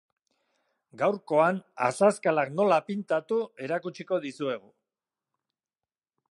Gaurkoan azazkalak nola pintatu erakutsiko dizuegu.